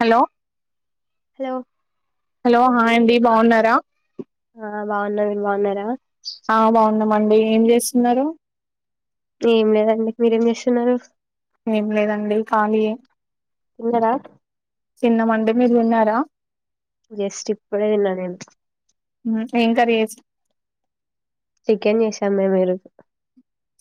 Hello hello hello hi అండి బావున్నారా ఆ బావున్న మీరు బావున్నారా మండి ఏం చేస్తున్నారు ఏం లేదండి మీరేం చేస్తున్నారు ఏంలేదండి ఖాళీయే తిన్నారా తిన్నామండి మీరు తిన్నారా హలో జస్ట్ ఇప్పుడే తిన్నా నేను హమ్ ఏం కర్రి చేసి చికెన్ చేసాము మేము ఈ రోజు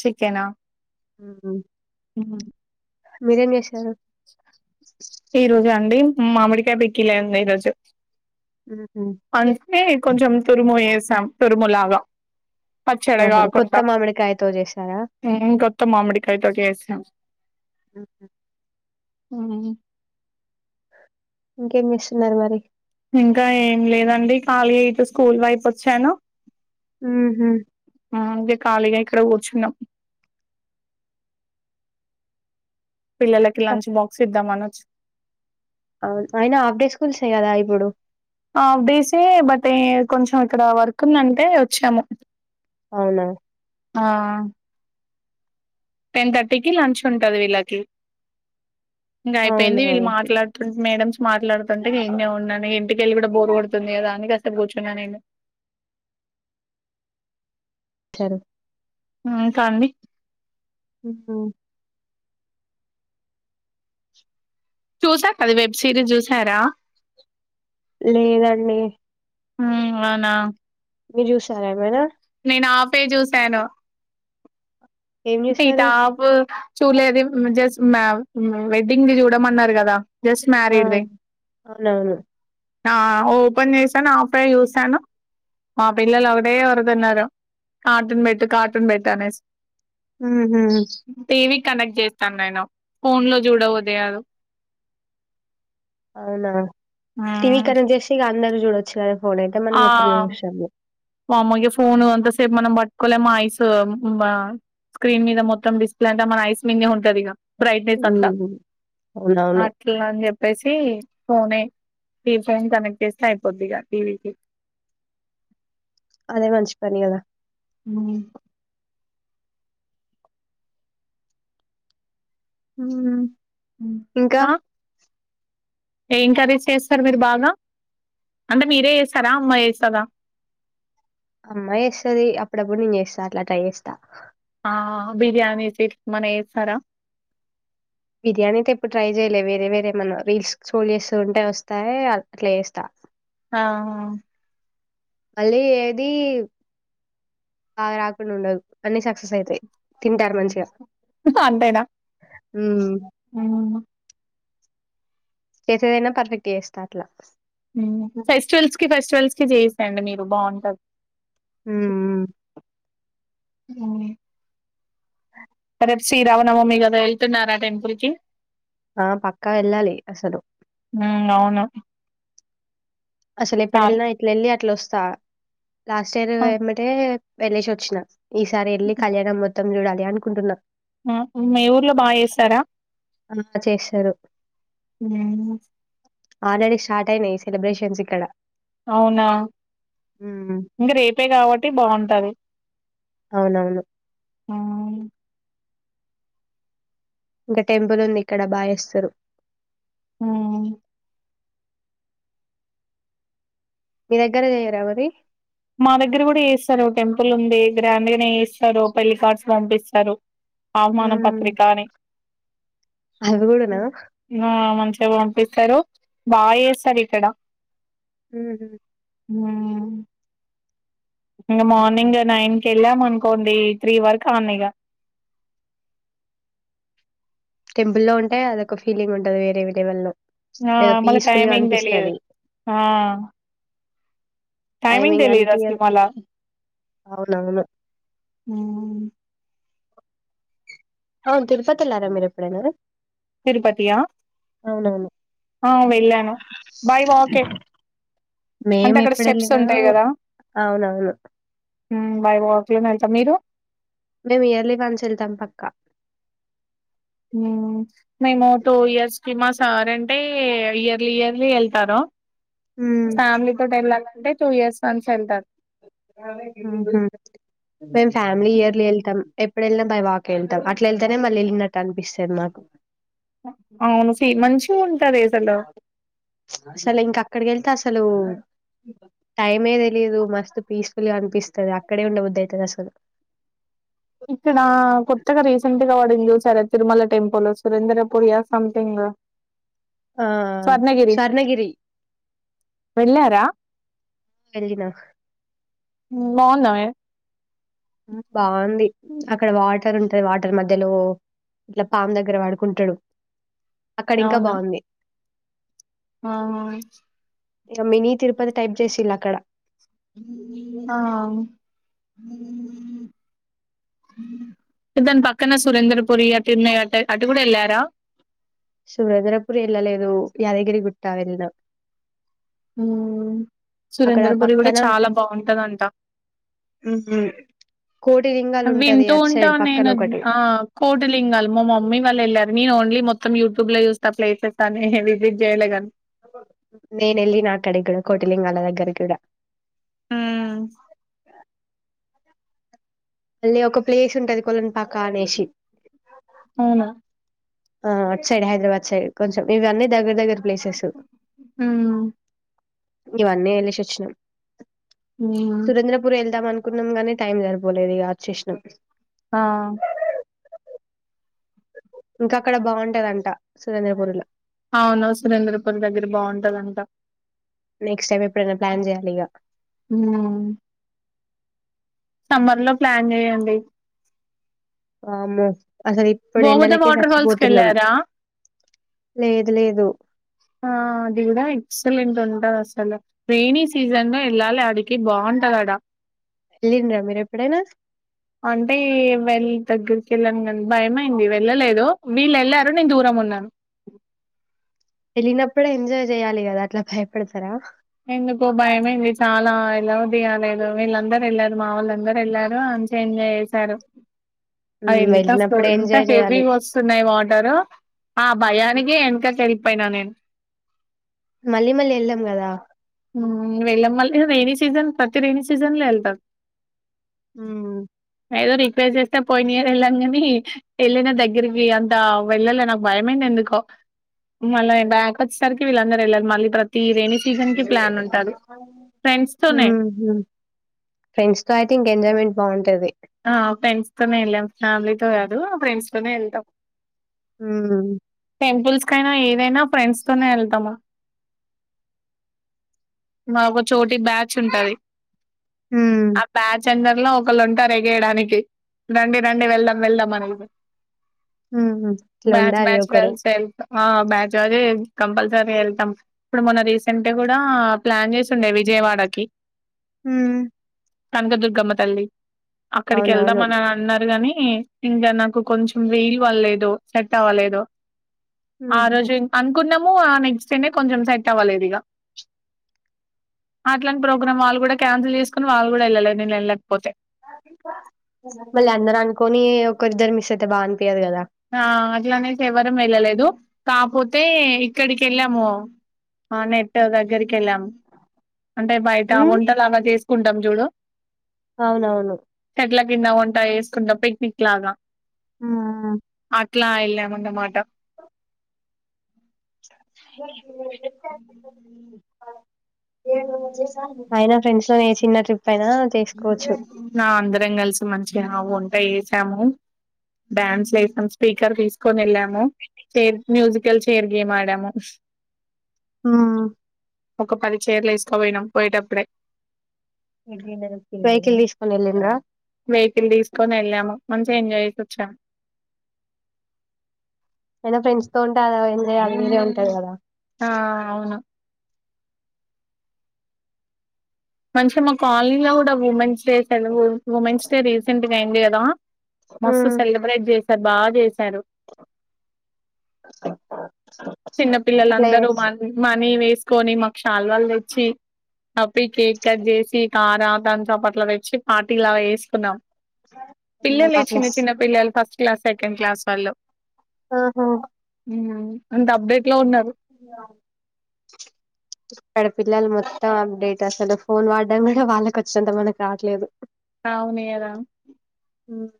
చికెన్ ఆ ఉమ్ ఉమ్ మీరేం జేశారు ఈ రోజా అండి మామిడికాయ పికెల్ లే అండి ఈ రోజు మ్మ్. అంటే కొంచెం తురుము ఏసి సం తురుములగా పచ్చడి ఆహా కొత్త కాకుండా మామిడికాయతో చేసారా హ్మ్మ్ కోత్త మామిడికాయతో చేస్తాం ఉమ్ ఇంకేం చేస్తున్నారు మరి ఇంకా ఏం లేదండి ఖాళీయే ఇటు స్కూల్ వైపు వచ్చాను ఉహు ఉమ్, ఇంకా ఖాళీగా ఇక్కడ కూర్చున్నాం పిల్లలకి లంచ్ బాక్స్ ఇద్దామని వ [unintelligible] అవు అయినా హాఫ్ డేస్ స్కూల్సే గాదా ఇప్పుడు ఆఫ్డేస్ ఆ బట్ కొంచం ఇక్కడ వర్క్ ఉందంటే వచ్చాము అవునా ఆ టెన్ థర్టీకిి లంచ్ ఉంటాది వీళ్ళకి ఇగ అయిపోయింది అవునా వీళ్ళు మాట్లాడుతుంటే మేడమ్స్ మాట్లాడుతుంటే ఇని ఉన్నాను ఇంటికెళ్ళి కూడా బోరు కొడుతుంది కదా అని కాస్త కూర్చున్నాను నేను సరె ఇంకా అండి హమ్ హా చూసా కదా వెబ్ సిరీస్ చూసారా లేదండి హమ్ అవునా మీరు చూసారా ఏమైనా నేను హాఫ్ ఏ చూశాను ఏం అంటే ఈ చూసారు టేపు చూలేదు జస్ట్ మా వెడ్డింగ్ వి చూడమన్నారు కదా జస్ట్ ఆ మ్యారిడ్ దే అవునవును ఆ ఓపెన్ చేసాను హాఫ్ ఏ చూసాను మా పిల్లలు ఒకటె అరుస్తున్నారు కార్టూన్ పెట్టు కార్టూన్ పెట్టు అనేసి హమ్ హా టీవీ కనెక్ట్ చేస్తాను నేను ఫోన్ లో చూడ ఉదిగదు అవునా టీవి కన చేసి ఇగ అంద జుడచ్చ గద ఆ వామోగా ఫోను అంత సేపు మనం పట్టుకోలే మా ఐస్ స్క్రీన్ మీద మొత్తం డిస్ప్లే అంటే మన ఐస్ మీందే ఉంటది ఇగా బ్రైట్నెస్ అంతా ఉమ్ అవునవును అట్లా అని చెప్పేసి ఫోనే టీ ఫోన్ కనెక్ట్ చేస్తే అయిపోద్ది ఇగ టీవీకి అదే మంచిపని గద ఉ హ ఉ క ఏం కర్రీ చేస్తారు మీరు బాగా అంటే మీరే చేస్తారా అమ్మా చేస్తద అమ్మా చేస్తుది అప్పుడప్పుడు నేను చేస్తా అట్లా ట్రై చేస్తా ఆ బిర్యానీస్ ఇట్ మన చేస్తారా బిర్యానీ అయితే ఎప్పుడు ట్రై చేయలేదు వేరే వేరే మన రీల్స్ స్క్రోల్ చేస్తు ఉంటే వస్తాయి అట్లా చేస్తా ఆాా మళ్ళీ ఏది బాగా రాకుండా ఉండదు అన్ని సక్సెస్ అవుతాయి తింటారు మంచిగా ఊహు అంతేనా ఉ యు చేసేదైనా పర్ఫెక్ట్ చేస్తా అట్లా ఫెస్టివల్స్ కి ఫెస్టివల్స్ కి చేసాయండి మీరు బాగుంటది హ్మ్ [unintelligible] రేపు శ్రీరామనవమి కదా వెళ్తున్నారా టెంపుల్ కి ఆ పక్కా ఎలాలీ అసలు ఉమ్ అవును అసల్ ఎక్కడ చాలా వెళ్ళినా ఇట్లా వెళ్ళి అలా వస్తా చా లాస్ట్ ఇయర్ ఆ, యామటే వెళ్లేసి వచ్చిన ఈసారి వెళ్ళి కళ్యాణం మొత్త మొత్తం చూడాలి అనుకుంటున్నా ఆ మీ ఊర్లో బాగా చేసారా ఆ చేస్తారు మ్మ్ ఆల్రెడీ స్టార్ట్ అయినాయి ఈ సెబ్రేషన్స్ ఇక్కడ అవునా హ్మ్ ఇంకా రేపే కాబట్టి బాగుంటది అవునవును ఉమ్ ఇక టెంపులు ఉంది ఇక్కడ బా చేస్తారు ఆ మీ దగ్గరా చేయ్యరా అవి మా దగ్గర కూడా చేస్తారు టెంపుల్ ఉంది గ్రాండ్ గానే చేస్తారు పెళ్లి కార్డ్స్ పంపిస్తారు ఆహ్వాన హ్మ్ పత్రికా అని అవి కూడానా? హ్మ్ ఆ మం పంపిస్తారు బా చేస్తారు ఇక్కడ మ్మ్ మ్మ్ ఇంకా మార్నింగ్ నైన్ కి వెళ్ళాం అనుకోండి త్రీ వరకు అడనే ఇక టెంపుల్ లో ఉంటె అదొక ఫీలింగ్ ఉంటది వేరే వేరే వాళ్లో ఆ మళ టైమింగ్ తెలియదు ఆ టైమింగ్ తెలీయదు అసల్ అలా అవునవును. అవును తిరుపతి వేలారా మీరు ఎప్పుడేనా తిరుపతి ఆ అవునవును ఆ వెళ్ళాను బై వాకే అంటే మేము అక్కడ స్టెప్స్ ఎప్పుడెళ్ళినా ఉంటాయి కదా అవునవును. మ్మ్ బై వాక్ ఏ వెళ్తం మీరు మేము ఇయర్లీ వన్స్ వెళ్తాం పక్కా మేము టూ ఇయర్స్ కి మా సార్ అంటే ఇయర్లీ ఇయర్లీ వెళ్తారు హ్మ్ ఫ్యామలీతోటి వెళ్ళలీ అంటే టూ ఇయర్స్ వన్స్ వెళ్తారు మేము ఫ్యామిలీ ఇయర్ లో వెళ్తాం ఇప్పుడు వెళ్ళినా బా వాకి వెళ్తాం అట్లా వెళ్తేనే మళ్ళీ వెళ్ళినట్టు అనిపిస్తుంది మాకు అవును ఫీ మంచిగా ఉంట చల ఇంకా అక్కడ గెలు తస అసలు టైమే తెలియదు మస్తు పీస్ఫుల్గా అనిపిస్తుంది అక్కడే ఉండవదు అవుతుంది అసలు ఇక్కడ కొత్తగా రీసెంట్ గా వాడింది చూసార తిరుమల టెంపుల్ సురేంద్ర పూర్ య సంథింగ్ ఆ స్వర్ణగిరి స్ర్ణగిరి వెళ్ళారా వెళ్ళిన అ బాగుంది అక్కడ వాటర్ ఉంటది వాటర్ మధ్యలో ఇట్లా పామ్ దగ్గర వాడుకుంటాడు అక్కడి ఇంకా అవును బాగుంది ఆ ఇక మినీ తిరుపతి టైప్ చేసిలా అక్కడ ఆ దాని పక్కన సురేంద్రపురి అ తిమయ అటు అటు కూడా వెళ్ళారా సురద్రపుూర్ వెళ్ళలేదు యాదగిరి గుట్ట వెళ్దా సురేంద్ర పొరి కూడా పక్కన చాలా బాగుంటందంట కోటి లింగాలు ఉంటది వింటూ అటు ఉంటాం సైడ్ నేను పక్కన ఒకటి ఆ కోటిలింగాలు మా మమ్మీ వాళ్ళు వెళ్ళారు నేను ఓన్లీ మొత్తం యూట్యూబ్ లో చూస్తా ప్లేసెస్ అని విిట్ చేయ్యలేని నేన వెళ్ళి నాక్కడ కూడా కోటిలింగాల దగ్గర కూడా హ మళ్ళీ ఒక ప్లేస్ ఉంటది కొలంపాక అనేసి అవునా ఆ అట్ సైడ్ హైదరాబాద్ సైడ్ కొంచెం ఇవన్నీ దగ్గర దగ్గర ప్లేసెస్ ఉమ్ ఇవన్నీ వెలిసి వచ్చినా ఉమ్ సురేంద్రపుూర్ ఎల్దా మనకు అకున్నాం గానే టైం సరిపోలేదు ఆ చేష్టణం ఆ ఇంకా అక్కడ బాగుంటదింట సురంంద్రపూర్లో అవునావు సురేంద్రపూర్ దగ్గర బాగుంటదంట నెక్స్ట్ టైం ఎప్పుడైనా ప్లాన్ చెయాలి ఇక ఉమ్ సమ్మర్ లో ప్లాన్ చేయండి అను గోముద వాటర్ ఫాల్స్ క వెళ్ళారా లేదు లేదు అది కూడా ఎక్సలెంట్ ఉంటంది అసలు రెనీీ సీజన్ లో ఎళ్ళాలి అడికి బాగుంటదడా వెళ్ళిండ్రా మీరు ఎప్పుడైనా అంటే వెళ్ళ దగ్గర కలన్ గంజ భయమైంది వెళ్ళలేదు వీళ్ళు వెళ్లారు నేను దూరం ఉన్నాను వెళ్ళినప్పుడే ఎంజాయ్ చేయ్యాలి కదా అట్లా భయపడతరా ఎందుకో భయమైంది చాలా ఎలబుద్దికాలేదు వీళ్ళందరు వెళ్ళారు మా వాళ్ళందరూ వెళ్ళారు మంచిగ ఎంజాయ్ చేశారు అ ఉమ్, ఎంత స్పోడ్ వెళ్ళినప్పుడే ఎంత ఎంజాయ్ హెవీ చేయాలి వస్తున్నాయి వాటరు ఆ ఉమ్, భయానికి వెనక కెల్ పైనా నేను మళ్ళీ మళ్ళీ వెళ్ళాం కదా ఊ వెళ్ళ మళ్ళ రెైనీ సీజన్ ప్రతి రెైన సీజన్ లో వెళ్తారు ఊ పేసెస్తే పోయినియరు వెళ్ళాను కాని వెళ్ళిన దగ్గరికి అంత వెళ్ళాల నాకు భయమైంది ఎందుకో మళ్ళ బ్యాక్ వచ్చేసరికి వీళ్ళందర వెళ్ళాలి మళ్ళీ ప్రతి రేనీ సీసన్కి ఫ్రెండ్స్ తో ఐథింక ఎంజాయ్మెంట్ బాగుంటది ఆ ఫ్రెండ్స్ తోనే వెళ్ళాం ఫ్యామిలీతో కాదు ఆ ఫ్రెండ్స్ తోనే వెల్తాం ఊ టెంపుల్స్ కై నా ఏదైనా ఫ్రెడ్స్ తోనే వెళ్తము మాకో చోట్ ఈ బ్యాచ్ ఉంటది హ్మ్ ఆ బ్యాచ్ చెందర్ లో ఒకళంటరే ఏయడానికి రండి రండి వెళ్దాం వెళ్దాం అని ఊహు ఇట్లా ఉండలి ఒకరు కలిసి వెళ్తా ఆ బ్యాచ్జ్ అదే కంపల్సరీ వెళ్తాం ఇప్పుడు మొన్న రీసెంట్ కూడా ప్లాన్ చేసిండే విజయవాడకి ఊ కనకదుర్గమ్మ తల్లి అక్కడికి అవునవును వెళ్దామని అని అన్నారు గాని ఇ ఇంకా నాకు కొంచెం వేడి వల్ల ఏదో సెట్ అవ్వలేదు ఉమ్, ఆ ఉమ్. రోజు ఇన్కాంత్ కున్నము ఆ నెక్స్ట్ డేనే కొంచెం సెట్ అవ్వలేదు ఇక అట్లాంటి ప్రోగ్రామ్ వాళ్ళు కూడా క్యాన్సిల్ చేసుకుని వాళ్ళు కూడా వెళ్ళలేదు నేను వెళ్ళలేకపోతే మళ్ళీ అందరు అనుకోని ఒకరిద్దరు మిస్ అయితే బాన్ ఆ అట్లానేసి ఎవరము వెళ్ళలేదు కాపోతే ఇక్కడికి వెళ్ళాము ఆ నెట్ దగ్గరిక్ కెళ్ళాం అంటే బయట హ్మ్ వంటలాగా చేస్ కుంటం జూడు అవునవును ఇట్లా కింద వంట వేసుకుంటాం పిక్నిక్ లాగా ఊ అట్ అట్లా ఎల్లమన మాట గట్ జూడే ఊ అయినా ఫ్రెండ్స్ లో ఏ చిన్న ట్రిప్ అయినా చేసుకోవచ్చు నా అందరం కలిసి మంచి వంట చేసాము డ్యాన్స్లు ఎసాము స్పీకర్ తీసుకొని వెళ్ళాము చేర్ మ్యూజికల్ చైర్ గేమ్ ఆడాము ఉమ్ ఒక పది చెర్లు ఎసుకోపోయినాం పోయేటప్పుడే వెకిల్ తీసుకొని వెల్లిండ్ర వెహికల్ తీసుకని వెళ్ళాము మంచిగా ఎంజాయ్ చేసి వచ్చామ్ అయినా ఫ్రెండ్స్ తో ఉంటే ఏదో ఎంజాయ్ అది వేరే ఉంటది కదా ఆ అవును మంచిగా మా కాలనీ ల కూడా ఉమెన్స్ చేసారు ఉమెన్స్ డే రీసెంట్ గా అయింది కదా మస్తు ఉమ్, సెలబ్రేట్ చేశారు బాగా చేశారు చిన్న అట్లా పిల్లలందరూ మ చేస్- మనీ వేస్ కొనీ మా చల్వాళ్ తెచ్చి అప్పి కేక్ కట్ చేసి తారా దాని చాపట్ల తెచ్చి పార్టీ లాగ చేసుకున్నాం ఉమ్, పిల్లలే చిన్న అట్లా చిన్న పిల్లలు ఫస్ట్ క్లాస్ సెకండ్ క్లాస్ వాళ్ళు ఓహో ఉమ్ ఉమ్ డబ్బే ఇంగాం అక్కడ పిల్లలు మొత్తం అప్డేట్ అసలు ఫోన్ వాడామ్ కూడా వాళ్ళకి వచ్చినంత మనకు రావట్లేదు ఆవునియదా ఉమ్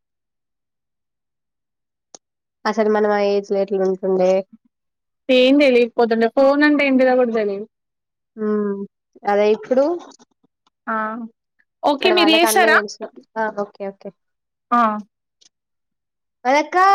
అసలు మనం అ ఏజ్ ల ఎట్లుంటుండే ఏం తెలియపోతుంటే ఫోన్ అంటే ఏంటిదా కూడా తెలిదు ఉం అదే ఇప్పుడు ఆ ఓకే అక్కడ మీరు వాళ్ళకి అన్నీ చేసారా తెలుసు ఓ ఓకే ఆ వెనకా